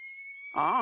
ああ。